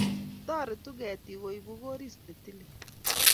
toretuu ketik koibuu koris netalil